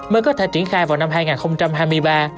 mới có thể triển khai vào năm hai nghìn hai mươi ba